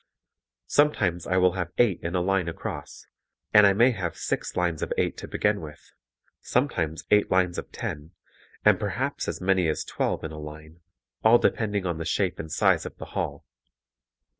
Sometimes I will have eight in a line across, and I may have six lines of eight to begin with; sometimes eight lines of ten, and perhaps as many as twelve in a line, all depending on the shape and size of the hall.